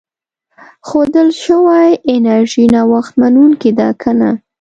ښودل شوې انرژي نوښت منونکې ده که نه.